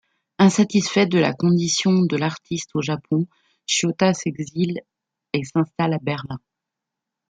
Insatisfaite de la condition de l'artiste au Japon, Shiota s'exile et s'installe à Berlin.